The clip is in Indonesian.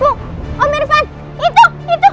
orang yang bermotor ngasih